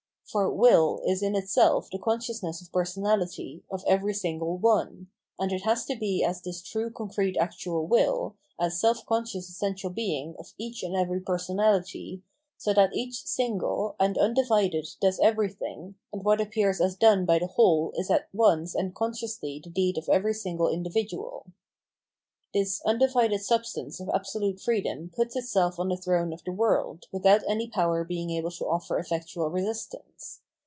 For will is in itself the consciousness of personality, of every single one ; and it has to be as this true concrete actual will, as self conscious essential being of each and every personality, so that each single and rmdivided does everything, and what appears as done by the whole is at once and consciously the deed of every single individual. This undivided substance of absolute freedom puts itself on the throne of the world, without any power being able to offer effectual resistance.